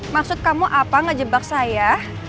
maksud kamu apa ngejebak saya